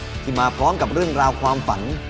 ที่มาพร้อมกับเรื่องราวความฝัน